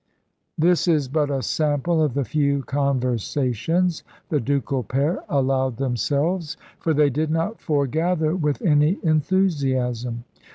This is but a sample of the few conversations the ducal pair allowed themselves, for they did not foregather with any enthusiasm.